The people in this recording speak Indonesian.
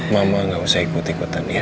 mama gak usah ikut ikutan ya